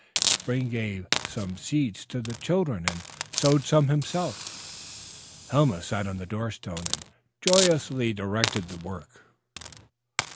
Spring gave some seeds to the children and sowed some himself. Helma sat on the door stone and joyously directed the work.